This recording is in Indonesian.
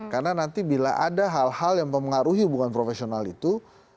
karena nanti bila ada hal hal yang mempengaruhi hubungan profesional itu